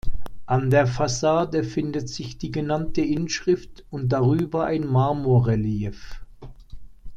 An der Fassade findet sich die genannte Inschrift und darüber ein Marmorrelief.